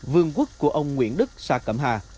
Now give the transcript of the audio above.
vườn quất của ông nguyễn đức xã cẩm hà